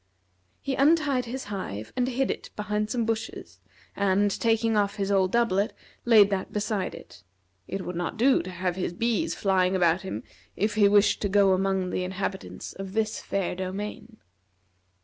He untied his hive, and hid it behind some bushes, and taking off his old doublet, laid that beside it. It would not do to have his bees flying about him if he wished to go among the inhabitants of this fair domain.